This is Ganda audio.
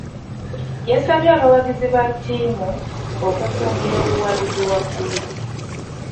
Yasabye abawagizi ba ttiimu okukuumira obuwagazi waggulu.